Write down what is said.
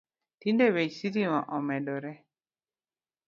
Tinde bech sitima omedore